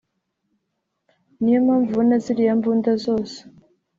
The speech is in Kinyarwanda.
Niyo mpamvu ubona ziriya mbunda zose